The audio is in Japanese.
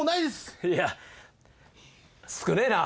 いや少ねえな。